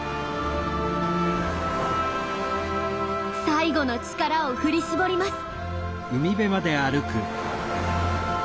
最後の力を振り絞ります。